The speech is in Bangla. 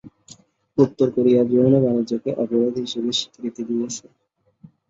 উত্তর কোরিয়া যৌন বাণিজ্যকে অপরাধ হিসেবে স্বীকৃতি দিয়েছে।